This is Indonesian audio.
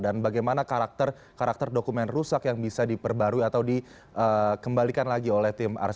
dan bagaimana karakter dokumen rusak yang bisa diperbarui atau dikembalikan lagi oleh tim